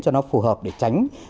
cho nó phù hợp để tránh